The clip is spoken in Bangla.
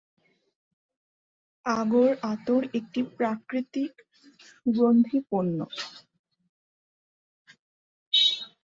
আগর-আতর একটি প্রাকৃতিক সুগন্ধি পণ্য।